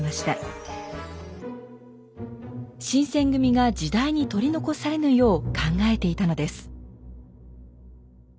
新選組が時代に取り残されぬよう考えていたのです。